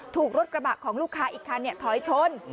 ถูกรถกระบะของลูกค้าอีกคันถอยชน